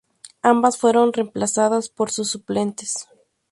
Ambas fueron reemplazadas por sus suplentes.